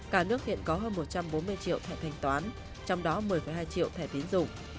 cả nước hiện có hơn một trăm bốn mươi triệu thẻ thanh toán trong đó một mươi hai triệu thẻ tín dụng